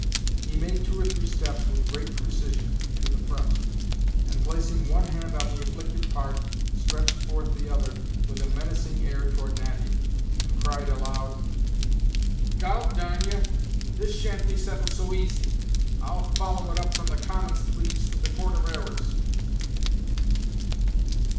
He made two or three steps, with great precision, to the front and, placing one hand on the afflicted part, stretched forth the other with a menacing air toward Natty, and cried aloud: "Gawl darn ye: this shan't he settled so easy; I'll follow it up from the 'common pleas' to the 'court of errors.'"